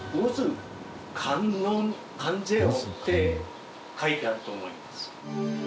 観世音って書いてあると思います。